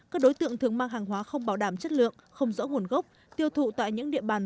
các đối tượng thường mang hàng hóa không bảo đảm chất lượng không rõ nguồn gốc tiêu thụ tại những địa bàn